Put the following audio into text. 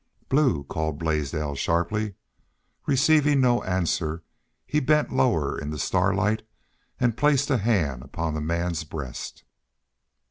"Blue!" called Blaisdell, sharply. Receiving no answer, he bent lower in the starlight and placed a hand upon the man's breast.